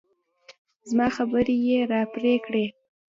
زما خبرې يې راپرې کړې.